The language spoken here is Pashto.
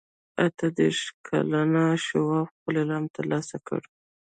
اته دېرش کلن شواب خپل انعام ترلاسه کړ